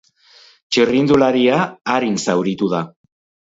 Txirrindularia arin zauritu da.